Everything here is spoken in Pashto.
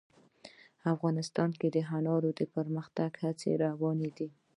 افغانستان کې د انار د پرمختګ هڅې روانې دي.